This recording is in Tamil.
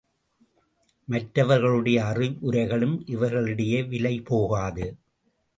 மற்றவர்களுடைய அறிவுரைகளும் இவர்களிடையே விலை போகாது.